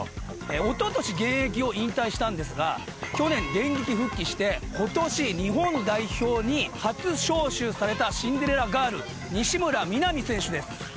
一昨年、現役を引退したんですが去年、電撃復帰して今年、日本代表に初招集されたシンデレラガール西村弥菜美選手です。